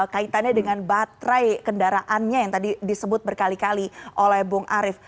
kaitannya dengan baterai kendaraannya yang tadi disebut berkali kali oleh bung arief